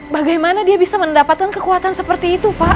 bagaimana dia bisa mendapatkan kekuatan seperti itu pak